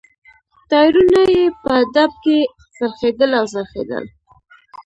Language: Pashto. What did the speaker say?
ټایرونه یې په ډب کې څرخېدل او څرخېدل.